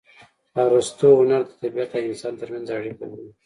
ارستو هنر د طبیعت او انسان ترمنځ اړیکه بولي